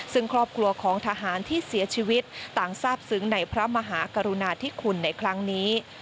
ซึ่งครอบครัวของทหารที่เสียชีวิตต่างทราบซึ้งในพระมหากรุณาธิคุณในครั้งนี้